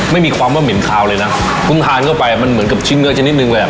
ไม่มีความว่าเหม็นคาวเลยนะเพิ่งทานเข้าไปมันเหมือนกับชิ้นเนื้อชนิดนึงเลยอ่ะ